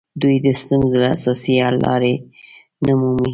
دوی د ستونزو اساسي حل لارې نه مومي